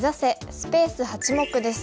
スペース８目」です。